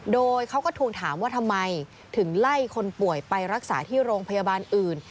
โดยเขาก็ทวงถามว่าทำไมถึงไล่คนป่วยไปรักษาที่โรงพยาบาลอื่น